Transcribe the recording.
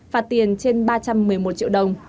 phạt tiền trên ba trăm một mươi một triệu đồng